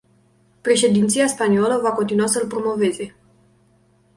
Președinția spaniolă va continua să-l promoveze.